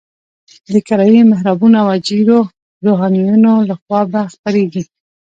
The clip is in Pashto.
د کرایي محرابونو او اجیرو روحانیونو لخوا به خپرېږي.